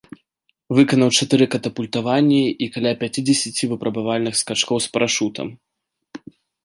Выканаў чатыры катапультаванні і каля пяцідзесяці выпрабавальных скачкоў з парашутам.